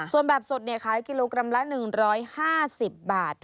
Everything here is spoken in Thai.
ส่วนแบบสดขายกิโลกรัมละ๑๕๐บาท